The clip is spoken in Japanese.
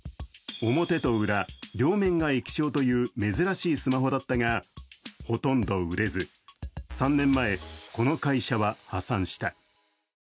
表と裏両面が液晶という珍しいスマホだったが、ほとんど売れず、３年前、この会社は破産した。